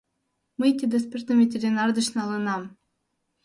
Мый тиде спиртым ветеринар деч налынам.